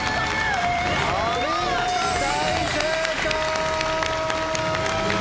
お見事大正解！